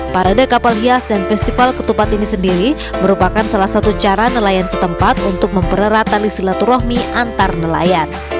parade kapal hias dan festival ketupat ini sendiri merupakan salah satu cara nelayan setempat untuk mempererat tali silaturahmi antar nelayan